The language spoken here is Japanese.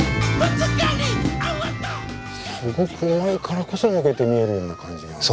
すごくうまいからこそ抜けて見えるような感じがある。